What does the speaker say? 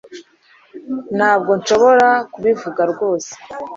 Ntabwo nshobora kubivuga rwose